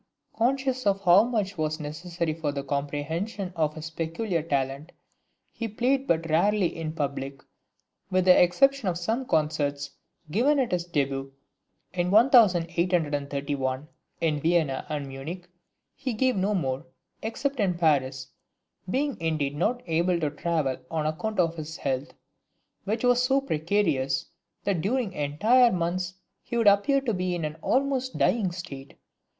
Conscious of how much was necessary for the comprehension of his peculiar talent, he played but rarely in public. With the exception of some concerts given at his debut in 1831, in Vienna and Munich, he gave no more, except in Paris, being indeed not able to travel on account of his health, which was so precarious, that during entire months, he would appear to be in an almost dying state.